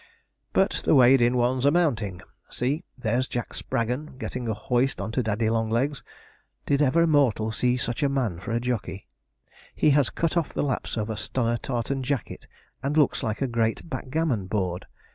But the weighed in ones are mounting. See, there's Jack Spraggon getting a hoist on to Daddy Longlegs! Did ever mortal see such a man for a jockey? He has cut off the laps of a stunner tartan jacket, and looks like a great backgammon board.